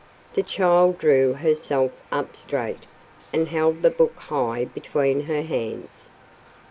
The child drew herself up straight, and held the book high between her hands.